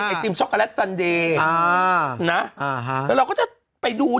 มีนกเพนกุ้นให้ดูด้วย